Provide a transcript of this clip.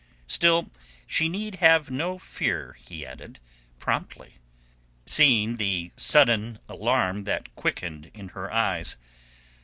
Still she need have no fear, he added promptly, seeing the sudden alarm that quickened in her eyes.